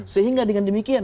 sehingga dengan demikian